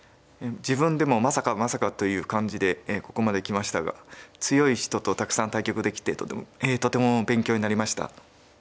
自分でもまさかまさかという感じでここまできましたが強い人とたくさん対局できてとても勉強になりました。